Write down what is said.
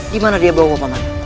dimana dia bawa pak man